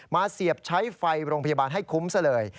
เสียบใช้ไฟโรงพยาบาลให้คุ้มซะเลย